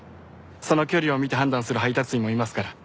その距離を見て判断する配達員もいますから。